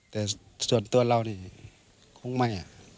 แต่ส่วนตัวเรานี่คงไม่